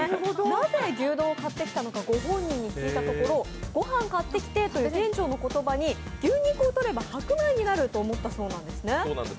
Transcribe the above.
なぜ牛丼を買ってきたのかご本人に聞いたところ御飯買ってきてという店長の言葉に牛肉をとれば白米になると思ったそうなんですね。